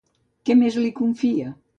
Què més li confia?